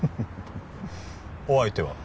お相手は？